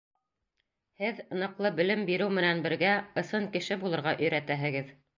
Һеҙ, ныҡлы белем биреү менән бергә, ысын кеше булырға өйрәтәһегеҙ.